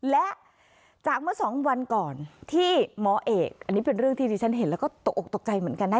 และจากเมื่อสองวันก่อนที่หมอเอกอันนี้เป็นเรื่องที่ดิฉันเห็นแล้วก็ตกออกตกใจเหมือนกันนะ